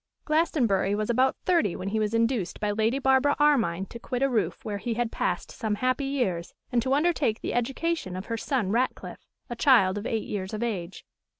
Glastonbury was about thirty when he was induced by Lady Barbara Armine to quit a roof where he had passed some happy years, and to undertake the education of her son Ratcliffe, a child of eight years of age.